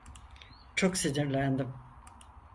Çok sinirlendim.